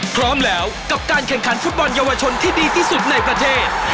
พร้อมแล้วกับการแข่งขันฟุตบอลเยาวชนที่ดีที่สุดในประเทศ